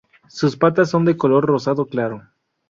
Sus patas son de color rosado claro.